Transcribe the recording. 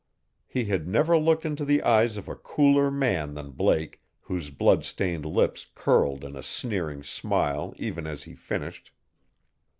He had never looked into the eyes of a cooler man than Blake, whose blood stained lips curled in a sneering smile even as he finished.